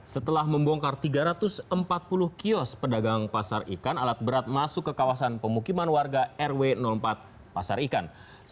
setelah membongkar tiga ratus empat puluh kios pedagang pasar ikan alat berat masuk ke kawasan pemukiman warga rw empat pasar ikan